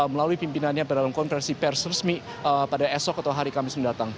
melalui pimpinannya dalam konferensi pers resmi pada esok atau hari kamis mendatang